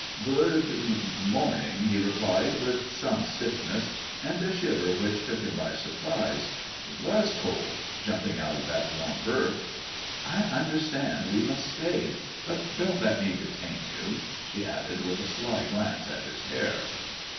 "Good mo morning," he replied with some stiffness, and a shiver which took him by surprise. It was cold, jumping out of that warm berth. "I understand we must stay but don't let me detain you," she added with a sly glance at his hair.